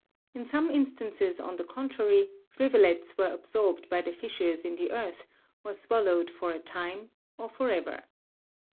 In some instances, on the contrary, rivulets were absorbed by the fissures in the earth, or swal lowed for a time, or forever.